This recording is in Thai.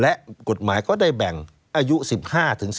และกฎหมายก็ได้แบ่งอายุ๑๕๑๕